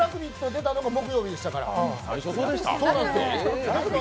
出たのが木曜日でしたから。